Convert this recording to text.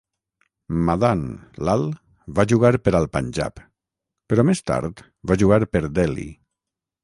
Madan Lal va jugar per al Panjab, però més tard va jugar per Delhi.